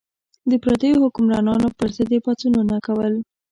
د پردیو حکمرانانو پر ضد یې پاڅونونه کول.